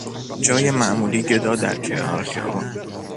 جای معمولی گدا در کنار خیابان